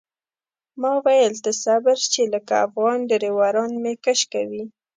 ما ویل ته صبر چې لکه افغان ډریوران مې کش کوي.